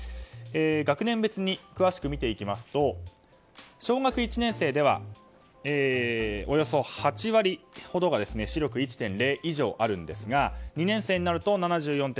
学年別に詳しく見ていきますと小学１年生ではおよそ８割ほどが視力１．０以上あるんですが２年生になると７４．２％